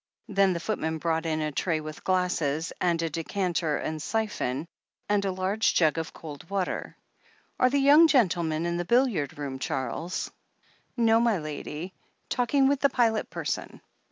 Then the footman brought in a tray with glasses, and a decanter and syphon, and a large jug of cold water. "Are the young gentlemen in the billiard room, Charles?" 362 THE HEEL OF ACHILLES I ti No, my lady, talking with the pilot person."